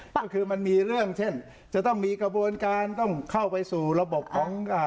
ก็คือมันมีเรื่องเช่นจะต้องมีกระบวนการต้องเข้าไปสู่ระบบของอ่า